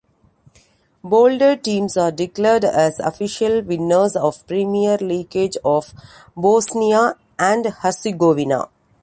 Bolded teams are declared as official winners of Premier league of Bosnia and Herzegovina.